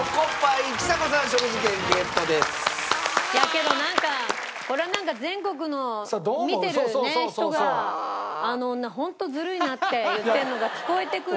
けどなんかこれはなんか全国の見てる人が「あの女本当ずるいな」って言ってるのが聞こえてくる。